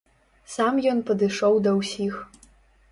Сам ён падышоў да ўсіх.